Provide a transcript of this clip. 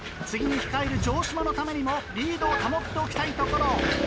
次に控える城島のためにもリードを保っておきたいところ。